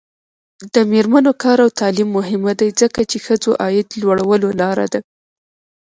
د میرمنو کار او تعلیم مهم دی ځکه چې ښځو عاید لوړولو لاره ده.